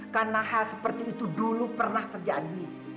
karena hal seperti itu dulu pernah terjadi